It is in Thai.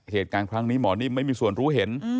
เหตุการณ์ครั้งนี้หมอนิ่มไม่มีส่วนรู้เห็น